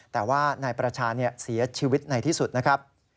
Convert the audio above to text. แต่ว่านายประชาเสียชีวิตในที่สุดนะครับ